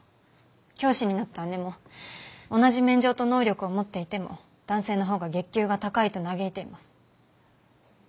教師になった姉も同じ免状と能力を持っていても男性のほうが月給が高いと嘆いています。